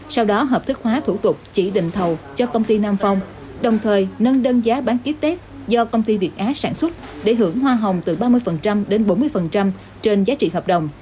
sau đó hợp thức hóa thủ tục chỉ định thầu cho công ty nam phong đồng thời nâng đơn giá bán ký test do công ty việt á sản xuất để hưởng hoa hồng từ ba mươi đến bốn mươi trên giá trị hợp đồng